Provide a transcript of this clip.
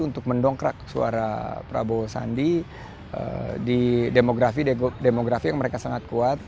untuk mendongkrak suara prabowo sandi di demografi demografi yang mereka sangat kuat